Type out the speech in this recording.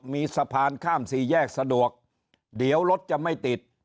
มีสะพานข้ามสี่แยกสะดวกเดี๋ยวรถจะไม่ติด